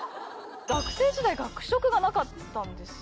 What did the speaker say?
学生時代学食がなかったんですよ。